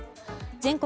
全国